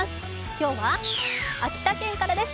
今日は秋田県からです。